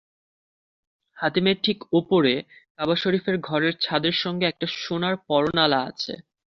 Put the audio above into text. হাতিমের ঠিক ওপরে কাবা শরিফের ঘরের ছাদের সঙ্গে একটা সোনার পরনালা আছে।